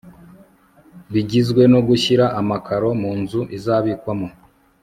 bigizwe no gushyira amakaro mu nzu izabikwamo